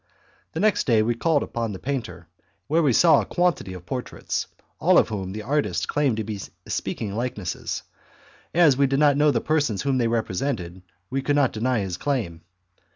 The next day we called upon the painter, where we saw a quantity of portraits, all of which the artist claimed to be speaking likenesses; as we did not know the persons whom they represented we could not deny his claim.